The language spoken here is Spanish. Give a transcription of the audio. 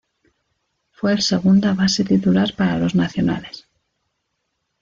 Fue el segunda base titular para los Nacionales.